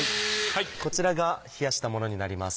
こちらが冷やしたものになります。